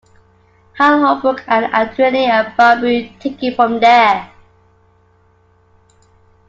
Hal Holbrook and Adrienne Barbeau take it from there.